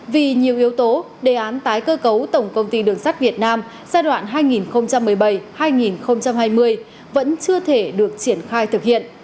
vì nhiều yếu tố đề án tái cơ cấu tổng công ty đường sắt việt nam giai đoạn hai nghìn một mươi bảy hai nghìn hai mươi vẫn chưa thể được triển khai thực hiện